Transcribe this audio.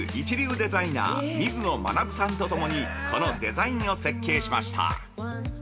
デザイナー水野学さんとともにこのデザインを設計しました。